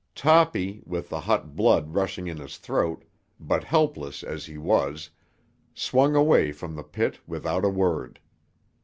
Toppy, with the hot blood rushing in his throat, but helpless as he was, swung away from the pit without a word.